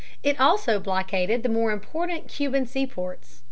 It also blockaded the more important Cuban seaports.